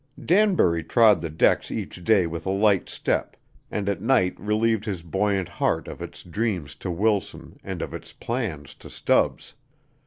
Danbury trod the decks each day with a light step, and at night relieved his buoyant heart of its dreams to Wilson and of its plans to Stubbs.